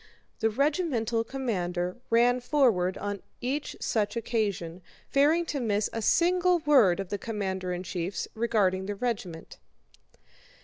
The regimental commander ran forward on each such occasion, fearing to miss a single word of the commander in chief's regarding the regiment.